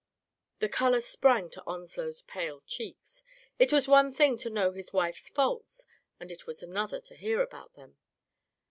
The color sprang to Onslow's pale cheeks. It was one thing to know his wife's faults, and it was another to hear about them.